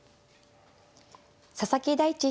佐々木大地